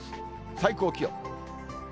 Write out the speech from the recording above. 最高気温。